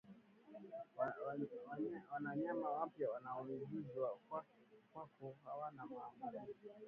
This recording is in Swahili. Wanayama wapya wanaoingizwa kwako hawana maambukizi